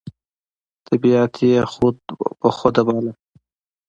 طبیعت یې خود بخوده باله،